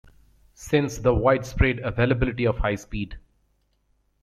Since the widespread availability of high speed.